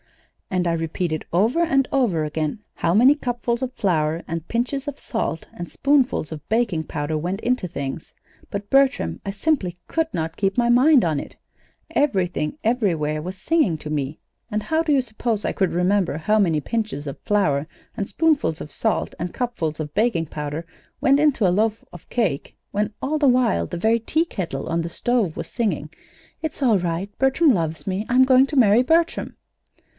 "And I repeated over and over again how many cupfuls of flour and pinches of salt and spoonfuls of baking powder went into things; but, Bertram, I simply could not keep my mind on it. Everything, everywhere was singing to me. And how do you suppose I could remember how many pinches of flour and spoonfuls of salt and cupfuls of baking powder went into a loaf of cake when all the while the very teakettle on the stove was singing: 'It's all right Bertram loves me I'm going to marry Bertram!'?"